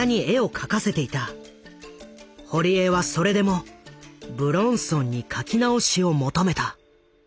堀江はそれでも武論尊に書き直しを求めた。